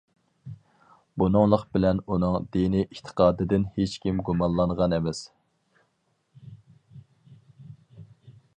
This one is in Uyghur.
بۇنىڭلىق بىلەن ئۇنىڭ دىنىي ئېتىقادىدىن ھېچكىم گۇمانلانغان ئەمەس.